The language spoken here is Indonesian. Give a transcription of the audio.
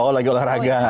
oh lagi olahraga